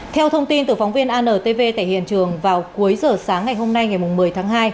theo thông tin từ phóng viên antv tại hiện trường vào cuối giờ sáng ngày hôm nay ngày một mươi tháng hai